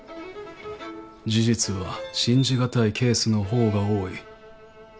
事実は信じ難いケースの方が多い。